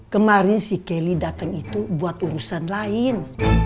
kemarin si kelly datang itu buat urusan lain